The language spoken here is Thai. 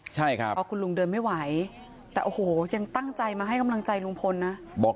ใช่ครับเพราะคุณลุงเดินไม่ไหวแต่โอ้โหยังตั้งใจมาให้กำลังใจลุงพลนะบอก